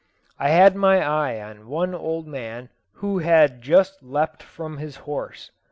I had my eye on one old man, who had just leapt from his horse.